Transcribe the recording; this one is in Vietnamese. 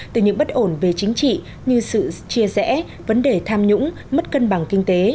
từ những bất ổn về chính trị như sự chia rẽ vấn đề tham nhũng mất cân bằng kinh tế